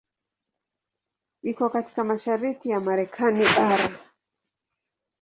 Iko katika mashariki ya Marekani bara.